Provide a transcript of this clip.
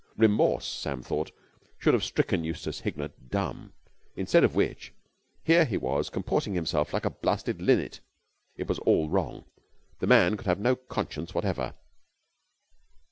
Remorse, Sam thought should have stricken Eustace Hignett dumb. Instead of which, here he was comporting himself like a blasted linnet. It was all wrong. The man could have no conscience whatever.